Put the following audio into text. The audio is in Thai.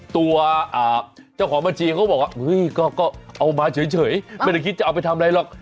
ตัวเจ้าของบัญชีเขาก็บอกว่าเฮ้ยก็เอามาเฉยไม่ได้คิดจะเอาไปทำอะไรหรอก